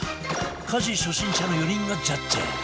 家事初心者の４人がジャッジ